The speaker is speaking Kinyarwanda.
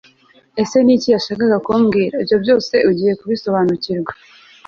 Ese niki yashakaga kumbwira ibyo byose ugiye kubisobanukirwa